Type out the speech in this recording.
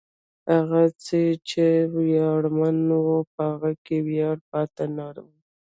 هغه څه چې ویاړمن و، په هغه کې ویاړ پاتې نه و.